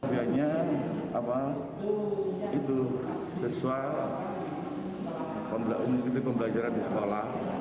pertama itu sesuai pembelajaran di sekolah